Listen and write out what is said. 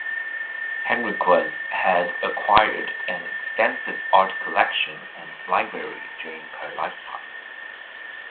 Henriquez had acquired an extensive art collection and library during her lifetime.